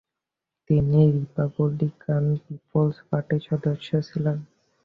তিনি Republican People's পার্টির সদস্য ছিলেন।